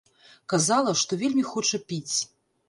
Казала, што вельмі хоча піць.